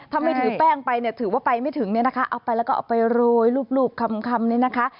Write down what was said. ถ้าไม่ถือแป้งไปเนี่ยถือว่าไปไม่ถึงเนี่ยนะคะเอาไปแล้วก็เอาไปโรยรูปคำนี้นะคะ